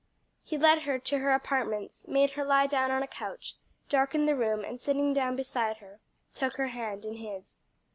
He led her to her apartments, made her lie down on a couch, darkened the room, and sitting down beside her, took her hand in his.